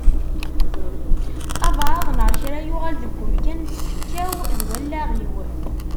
Abɛaḍ neɣ kra yuɣal deg umkan n tfekka-w d wallaɣ-iw.